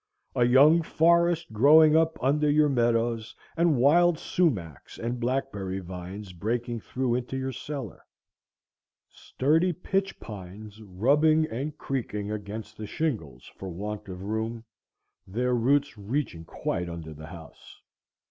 A young forest growing up under your meadows, and wild sumachs and blackberry vines breaking through into your cellar; sturdy pitch pines rubbing and creaking against the shingles for want of room, their roots reaching quite under the house.